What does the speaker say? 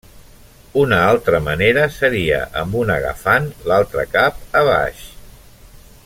Una altra manera seria amb un agafant l'altre cap a baix.